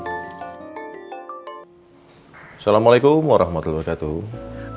assalamualaikum warahmatullahi wabarakatuh